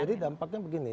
jadi dampaknya begini